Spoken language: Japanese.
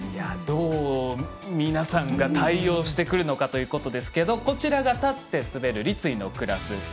どう皆さんが対応してくるのかということですけどこちらが立って滑る立位のクラス。